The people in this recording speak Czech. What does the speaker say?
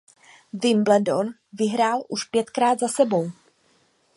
Wimbledon vyhrál už pětkrát za sebou.